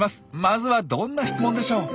まずはどんな質問でしょう？